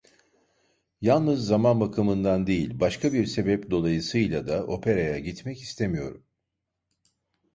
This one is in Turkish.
Yalnız zaman bakımından değil, başka bir sebep dolayısıyla da operaya gitmek istemiyorum.